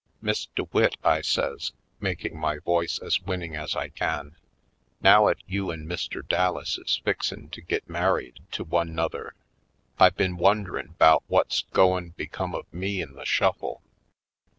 ''Miss DeWitt," I says, making my voice as winning as I can, "now 'at you an' Mr. Dallas is fixin' to git married to one 'nother I been wonderin' 'bout whut's goin' become of me in the shuflle.